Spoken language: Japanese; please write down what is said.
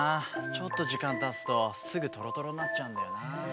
ちょっとじかんたつとすぐとろとろになっちゃうんだよな。